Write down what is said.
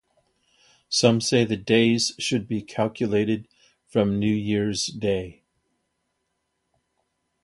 Some say the days should be calculated from New Year's Day.